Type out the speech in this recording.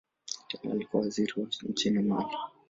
Tena alikuwa waziri nchini Mali.